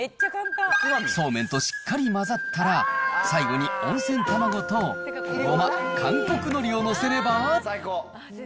そうめんとしっかり混ざったら、最後に温泉卵とごま、韓国のりを載せれば。